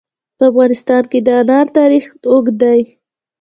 په افغانستان کې د انار تاریخ اوږد دی.